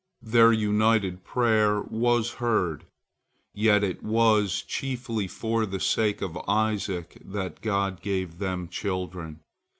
Their united prayer was heard. Yet it was chiefly for the sake of Isaac that God gave them children.